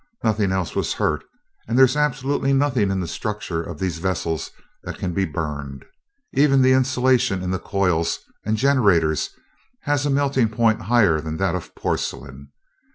Nothing else was hurt, as there's absolutely nothing in the structure of these vessels that can be burned. Even the insulation in the coils and generators has a melting point higher than that of porcelain.